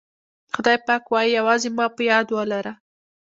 خدای پاک وایي یوازې ما په یاد ولره.